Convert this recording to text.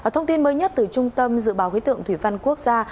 thông tin mới nhất từ trung tâm dự báo khí tượng thủy văn quốc gia